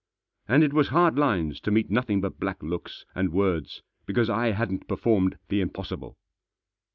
And it was hard lines to meet nothing but black looks, and words, because I hadn't performed the impossible.